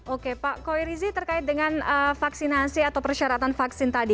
oke pak koirizi terkait dengan vaksinasi atau persyaratan vaksin tadi